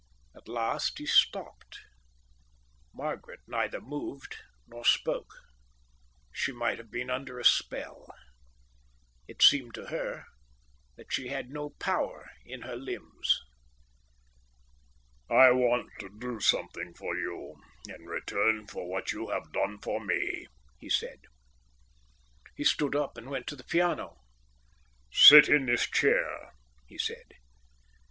At last he stopped. Margaret neither moved nor spoke. She might have been under a spell. It seemed to her that she had no power in her limbs. "I want to do something for you in return for what you have done for me," he said. He stood up and went to the piano. "Sit in this chair," he said.